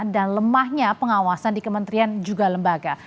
dan lemahnya pengawasan di kementerian juga lembaga